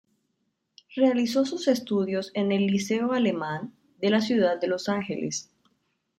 Realizó sus estudios en el Liceo Alemán de la ciudad de los Ángeles.